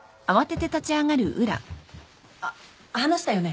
あっ話したよね？